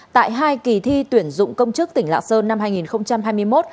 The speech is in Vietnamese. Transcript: tại hai kỳ thi tuyển dụng công chức tỉnh lạng sơn năm hai nghìn hai mươi một